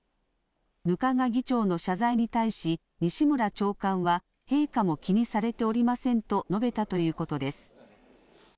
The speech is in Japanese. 額賀議長の謝罪に対し、西村長官は、陛下も気にされておりませんと述べたということです。